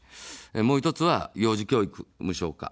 もう１つは幼児教育無償化。